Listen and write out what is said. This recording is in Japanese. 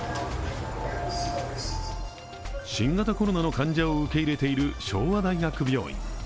新型コロナの患者を受け入れている昭和大学病院。